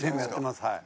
はい。